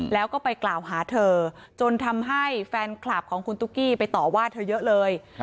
แล้วก็ไปกล่าวหาเธอจนทำให้แฟนคลับของคุณตุ๊กกี้ไปต่อว่าเธอเยอะเลย